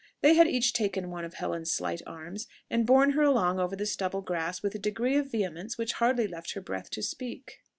They had each taken one of Helen's slight arms, and borne her along over the stubble grass with a degree of vehemence which hardly left her breath to speak.